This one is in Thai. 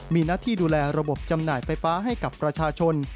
มีหน้าที่ดูแลระบบจำหน่ายไฟฟ้าให้กับประชาชน